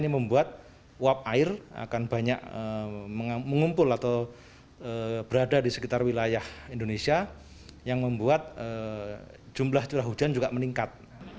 mengumpul atau berada di sekitar wilayah indonesia yang membuat jumlah curah hujan juga meningkat